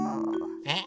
えっ？